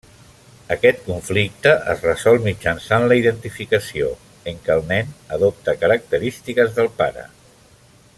Aquest conflicte es resol mitjançant la identificació, en què el nen adopta característiques del pare.